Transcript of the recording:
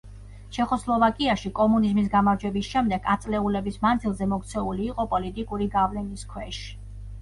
ჩეხოსლოვაკიაში კომუნიზმის გამარჯვების შემდეგ ათწლეულების მანძილზე მოქცეული იყო პოლიტიკური გავლენის ქვეშ.